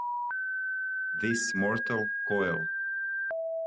This mortal coil